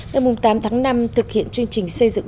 ngày tám tháng năm thực hiện chương trình xây dựng